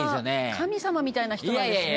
神様みたいな人なんですね。